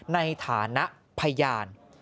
ในฐานะพยาน